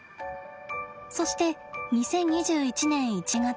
そして２０２１年１月。